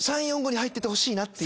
３４５に入っててほしいな。